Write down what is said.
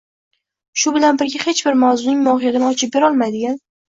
shu bilan birga hech bir mavzuning mohiyatini ochib berolmaydigan